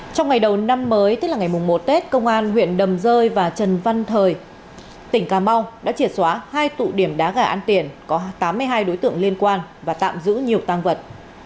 trong ngày đầu năm mới tức là ngày một tết công an huyện đầm rơi và trần văn thời tỉnh cà mau đã triệt xóa hai tụ điểm đá gà ăn tiền có tám mươi hai đối tượng liên quan và tạm giữ nhiều tăng vật